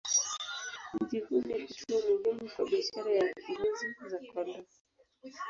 Mji huu ni kituo muhimu kwa biashara ya ngozi za kondoo.